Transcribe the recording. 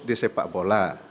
di sepak bola